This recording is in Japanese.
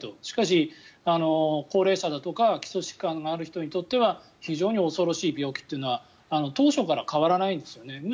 しかし、高齢者だとか基礎疾患がある人にとっては非常に恐ろしい病気というのは当初から変わらないんですよね。